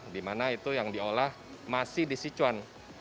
dimana itu yang diolah masih di sichuan